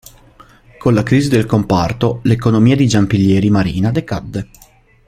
Con la crisi del comparto, l'economia di Giampilieri Marina decadde.